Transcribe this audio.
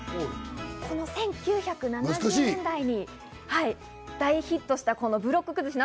この１９７０年代に大ヒットしたブロック崩し。